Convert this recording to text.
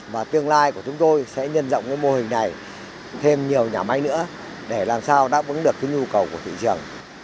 và tương lai của chúng tôi sẽ nhân rộng cái mô hình này thêm nhiều nhà máy nữa để làm sao đáp ứng được cái nhu cầu của thị trường